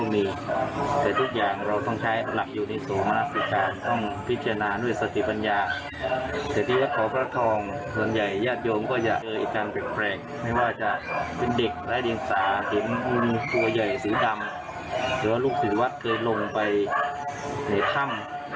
มีตัวใหญ่สีดำหรือว่าลูกศรีวัตรเคยลงไปในถ้ำ